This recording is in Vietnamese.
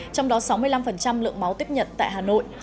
trong đó sáu mươi năm lượng máu tiếp nhận tại hà nội